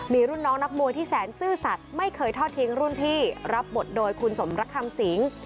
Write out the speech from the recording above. มีรุ่นน้องนักมวยที่แสนซื่อสัตว์ไม่เคยทอดทิ้งรุ่นพี่รับบทโดยคุณสมรักคำสิง